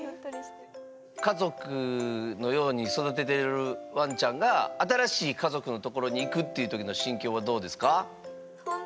家族のように育てているわんちゃんが新しい家族のところに行くっていうときの心境はどうですか？